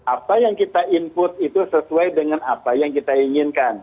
apa yang kita input itu sesuai dengan apa yang kita inginkan